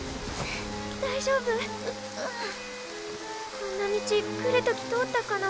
こんな道来る時通ったかな？